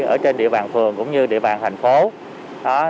ở trên địa bàn phường cũng như địa bàn thành phố